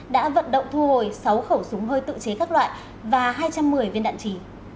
đã vận động thu hồi sáu khẩu súng hơi tự chế các loại và hai trăm một mươi viên đạn trì